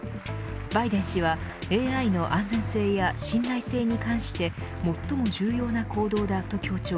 バイデン氏は、ＡＩの安全性や信頼性に関して最も重要な行動だと強調。